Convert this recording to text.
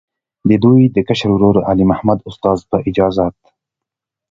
د دوي د کشر ورور، علي محمد استاذ، پۀ اجازت